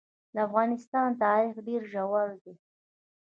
د افغانستان تاریخ ډېر ژور دی.